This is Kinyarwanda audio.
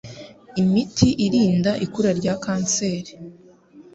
imiti irinda ikura rya kanseri .